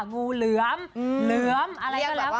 งูเหลือมเหลือมอะไรก็แล้วแต่